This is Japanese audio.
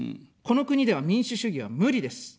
この国では民主主義は無理です。